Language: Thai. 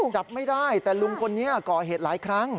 จับไม่ได้แต่ลุงคนนี้ก่อเหตุหลายครั้ง